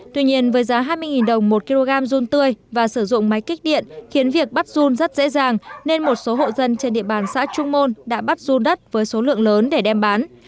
tuy nhiên với giá hai mươi đồng một kg run tươi và sử dụng máy kích điện khiến việc bắt run rất dễ dàng nên một số hộ dân trên địa bàn xã trung môn đã bắt run đất với số lượng lớn để đem bán